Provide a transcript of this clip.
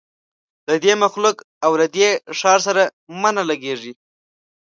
له دې مخلوق او له دې ښار سره مي نه لګیږي